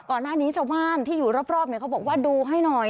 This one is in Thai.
ก่อนหน้านี้ชาวบ้านที่อยู่รอบเขาบอกว่าดูให้หน่อย